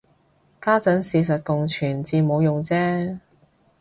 家陣事實共存至冇用啫